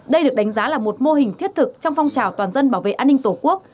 đây được đánh giá là một mô hình thiết thực trong phong trào toàn dân bảo vệ an ninh tổ quốc